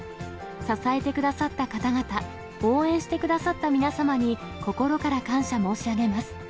支えてくださった方々、応援してくださった皆様に、心から感謝申し上げます。